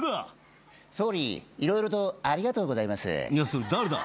それ誰だ？